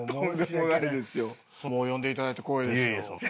もう呼んでいただいて光栄ですよ。